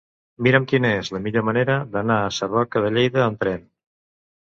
Mira'm quina és la millor manera d'anar a Sarroca de Lleida amb tren.